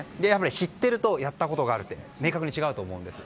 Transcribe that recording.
知っているとやったことがあるとは明確に違うと思うんです。